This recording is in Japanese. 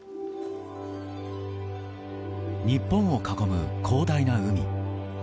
日本を囲む、広大な海。